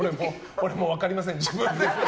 俺も分かりません、自分で。